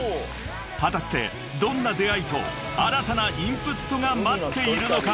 ［果たしてどんな出合いと新たなインプットが待っているのか！？］